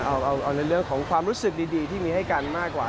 เอาในเรื่องของความรู้สึกดีที่มีให้กันมากกว่า